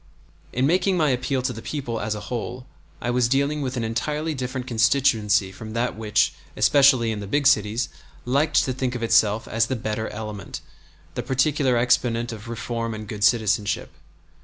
In making my appeal to the people as a whole I was dealing with an entirely different constituency from that which, especially in the big cities, liked to think of itself as the "better element," the particular exponent of reform and good citizenship.